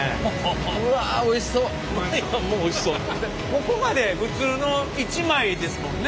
ここまで普通の１枚ですもんね。